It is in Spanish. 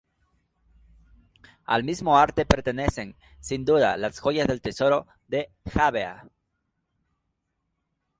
Al mismo arte pertenecen, sin duda, las joyas del Tesoro de Jávea.